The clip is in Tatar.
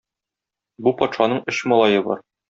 Бу патшаның өч малае бар.